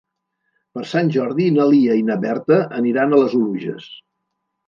Per Sant Jordi na Lia i na Berta aniran a les Oluges.